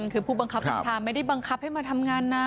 คือผู้บังคับบัญชาไม่ได้บังคับให้มาทำงานนะ